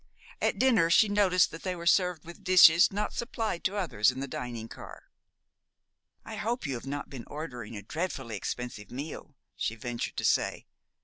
At dinner she noticed that they were served with dishes not supplied to others in the dining car. "I hope you have not been ordering a dreadfully expensive meal," she ventured to say.